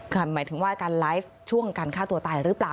หมายถึงว่าการไลฟ์ช่วงการฆ่าตัวตายหรือเปล่า